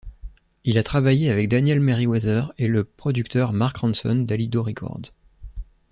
Il a travaillé avec Daniel Merriweather et le producteur Mark Ronson d’Allido Records.